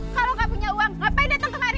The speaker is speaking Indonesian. kalau nggak punya uang ngapain datang kemari